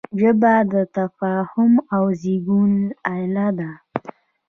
ژبه د تفاهم د زېږون اله ده